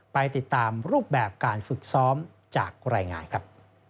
ไปติดตามรูปแบบการฝึกซ้อมจากรายงานครับ